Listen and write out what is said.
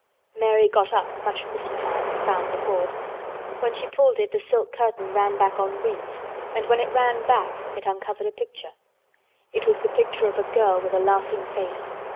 Mary got up, much mystified, and found the cord. When she pulled it the silk curtain ran back on rings and when it ran back it uncovered a picture. It was the picture of a girl with a laughing face.